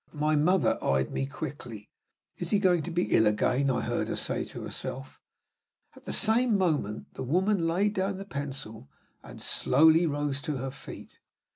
My mother eyed me quickly. "Is he going to be ill again?" I heard her say to herself. At the same moment the woman laid down the pencil and rose slowly to her feet.